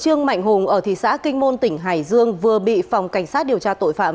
trương mạnh hùng ở thị xã kinh môn tỉnh hải dương vừa bị phòng cảnh sát điều tra tội phạm